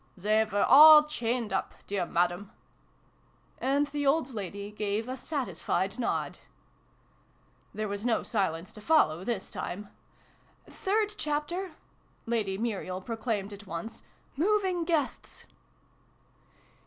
" They were all chained up, dear Madam !" And the old lady gave a satisfied nod. There was no silence to follow, this time. " Third Chapter !" Lady Muriel proclaimed at once, " Moving Guests